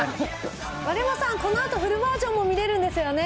丸山さん、このあと、フルバージョンも見れるんですよね？